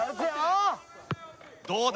どうだ？